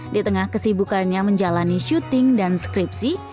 di tengah kesibukannya menjalani syuting dan skripsi